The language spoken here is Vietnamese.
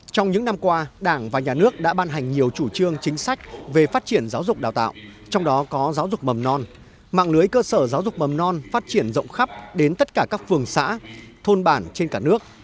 trong những năm qua đảng và nhà nước đã ban hành nhiều chủ trương chính sách về phát triển giáo dục đào tạo trong đó có giáo dục mầm non mạng lưới cơ sở giáo dục mầm non phát triển rộng khắp đến tất cả các phường xã thôn bản trên cả nước